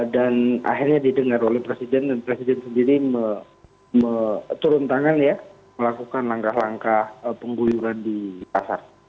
dan akhirnya didengar oleh presiden dan presiden sendiri turun tangan ya melakukan langkah langkah pengguliran di pasar